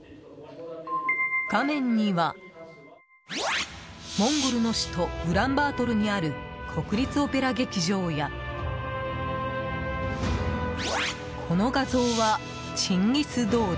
画面には、モンゴルの首都ウランバートルにある国立オペラ劇場やこの画像はチンギス通り。